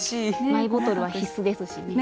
マイボトルは必須ですしね。